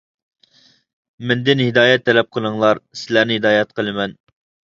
مەندىن ھىدايەت تەلەپ قىلىڭلار، سىلەرنى ھىدايەت قىلىمەن.